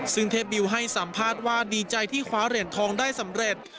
ซึ่งเทพบิวให้สัมภาษณ์ว่าดีใจที่คว้าเหรียญทองได้สำเร็จ